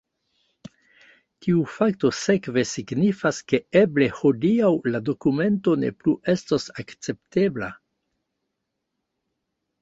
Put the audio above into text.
Tiu fakto sekve signifas ke eble hodiaŭ la dokumento ne plu estos akceptebla.